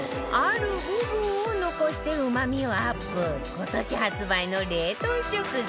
今年発売の冷凍食材！